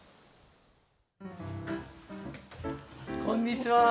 こんにちは。